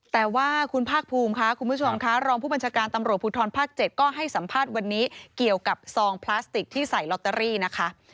แต่ว่าคุณภาคภูมิค่ะคุณผู้ชมค่ะรองผู้บัญชาการตำรวจภูทรภาค๗ก็ให้สัมภาษณ์วันนี้เกี่ยวกับซองพลาสติกที่ใส่ลอตเตอรี่นะคะ